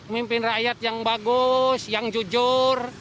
mimpin rakyat yang bagus yang jujur